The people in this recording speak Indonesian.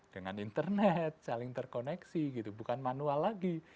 dengan internet saling terkoneksi gitu bukan manual lagi